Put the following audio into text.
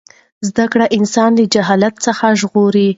زده کړه انسان له جهالت څخه ژغوري.